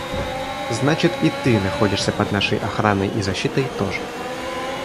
– Значит, и ты находишься под нашей охраной и защитой тоже.